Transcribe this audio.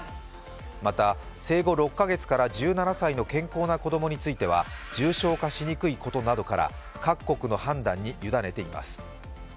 また、生後６か月から１７歳の健康な子供については重症化しにくいことなどから、各国の判断にゆだねています。